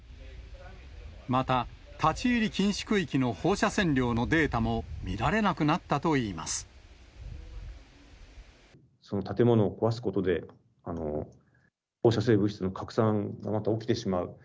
また、立ち入り禁止区域の放射線量のデータも、見られなくなったといいその建物を壊すことで、放射性物質の拡散がまた起きてしまう。